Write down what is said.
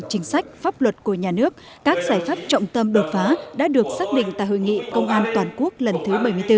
chính sách pháp luật của nhà nước các giải pháp trọng tâm đột phá đã được xác định tại hội nghị công an toàn quốc lần thứ bảy mươi bốn